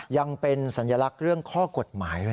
ยังเป็นสัญลักษณ์เรื่องข้อกฎหมายด้วยนะ